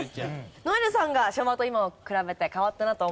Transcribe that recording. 如恵留さんが昭和と今を比べて変わったなと思うルール。